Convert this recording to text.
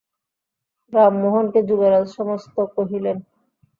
রামমােহনকে যুবরাজ সমস্ত কহিলেন।